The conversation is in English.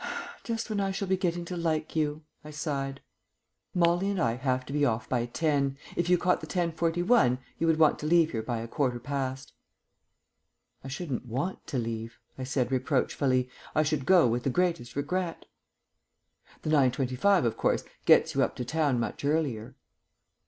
"Just when I shall be getting to like you," I sighed. "Molly and I have to be off by ten. If you caught the 10.41, you would want to leave here by a quarter past." "I shouldn't want to leave," I said reproachfully; "I should go with the greatest regret." "The 9.25, of course, gets you up to town much earlier."